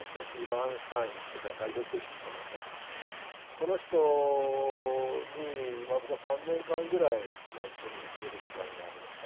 この人に僕は３年間ぐらい一緒にいれる時間がありました。